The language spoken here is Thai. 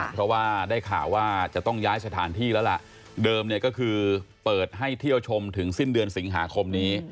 เพราะว่าได้ข่าวว่าจะต้องย้ายสถานที่แล้วล่ะเดิมเนี่ยก็คือเปิดให้เที่ยวชมถึงสิ้นเดือนสิงหาคมนี้